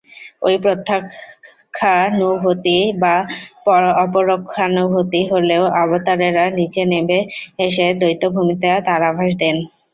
ঐ প্রত্যক্ষানুভূতি বা অপরোক্ষানুভূতি হলেও অবতারেরা নীচে নেবে এসে দ্বৈতভূমিতে তার আভাস দেন।